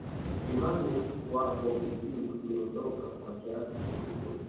Imani ya kuwapo mizimu iliondoka kwa asilimia kubwa